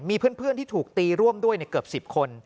มีเพื่อนที่ถูกตีร่วมด้วยเกือบ๑๐คน